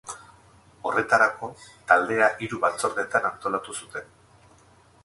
Horretarako, taldea hiru batzordetan antolatu zuten.